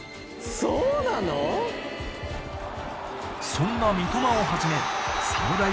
そんな三笘をはじめサムライ